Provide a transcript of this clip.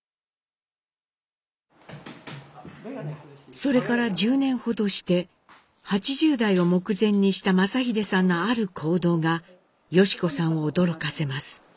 それから１０年ほどして８０代を目前にした正英さんのある行動が良子さんを驚かせます。